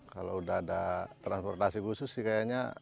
kalau udah ada transportasi khusus sih kayaknya